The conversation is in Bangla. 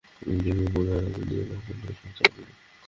তাতে কিমার পুর ভরে ভাঁজ দিয়ে মুখ বন্ধ করে সমুচা বানিয়ে নিন।